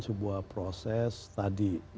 sebuah proses tadi